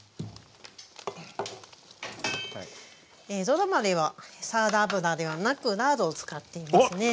ドラマではサラダ油ではなくラードを使っていますね。